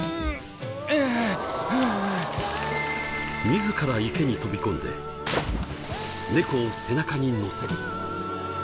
自ら池に飛び込んでネコを背中にのせる。